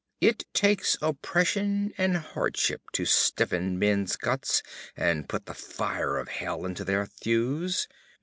It takes oppression and hardship to stiffen men's guts and put the fire of hell into their thews.